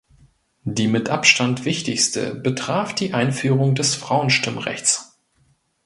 Die mit Abstand wichtigste betraf die Einführung des Frauenstimmrechts.